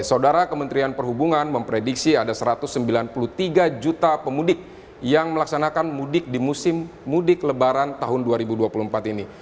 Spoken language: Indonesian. saudara kementerian perhubungan memprediksi ada satu ratus sembilan puluh tiga juta pemudik yang melaksanakan mudik di musim mudik lebaran tahun dua ribu dua puluh empat ini